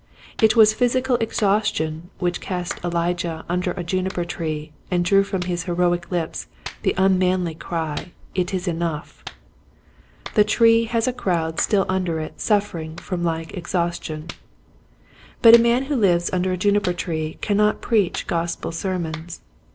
It was physical exhaustion which cast Elijah under a juniper tree and drew from his heroic lips the unmanly cry *' It is enough !" The tree has a crowd still under it suffer ing from a like exhaustion. But a man who lives under a juniper tree cannot preach Gospel sermons.